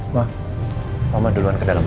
mbak mama duluan ke dalam ya